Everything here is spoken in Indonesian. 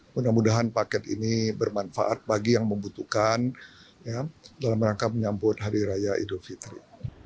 mudah mudahan paket ini bermanfaat bagi yang membutuhkan dalam rangka menyambut hari raya idul fitri